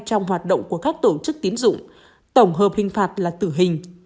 trong hoạt động của các tổ chức tiến dụng tổng hợp hình phạt là tử hình